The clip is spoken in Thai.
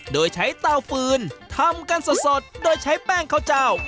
โดยใช้เตาฟืนทำกันสดโดยใช้แป้งข้าวเจ้า